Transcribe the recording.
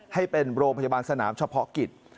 ให้เป็นโรงพยาบาลสนามเฉพาะกิจ